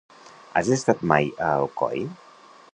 Has estat mai a Alcoi?